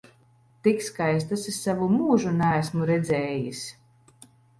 Tik skaistas es savu mūžu neesmu redzējis!